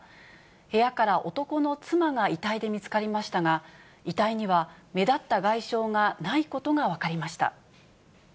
部屋から男の妻が遺体で見つかりましたが、遺体には目立った外傷がないことが分かりました。